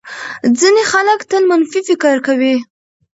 ځینې خلک تل منفي فکر کوي.